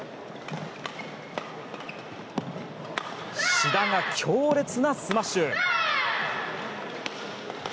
志田が強烈なスマッシュ！